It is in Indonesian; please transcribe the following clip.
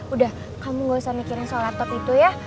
udah kamu gak usah mikirin soal laptop itu ya